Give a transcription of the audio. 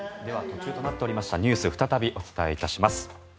途中となっておりましたニュースを再びお伝えします。